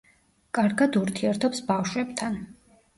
კარგად ურთიერთობს ბავშვებთან.